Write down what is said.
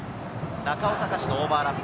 中尾誉のオーバーラップ。